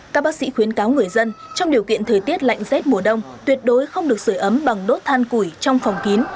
các bác sĩ khuyến cáo người dân trong điều kiện thời tiết lạnh rét mùa đông tuyệt đối không được sửa ấm bằng đốt than củi trong phòng kín